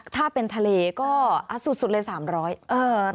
ถ้าเป็นทะเลก็สุดเลย๓๐๐บาท